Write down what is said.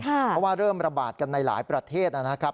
เพราะว่าเริ่มระบาดกันในหลายประเทศนะครับ